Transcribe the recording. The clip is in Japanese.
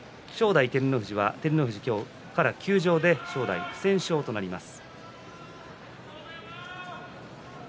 結び、正代、照ノ富士は照ノ富士が今日から休場で不戦勝となります。